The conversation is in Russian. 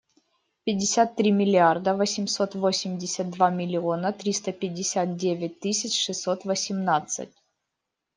Пятьдесят три миллиарда восемьсот восемьдесят два миллиона триста пятьдесят девять тысяч шестьсот восемнадцать.